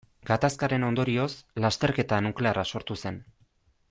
Gatazkaren ondorioz lasterketa nuklearra sortu zen.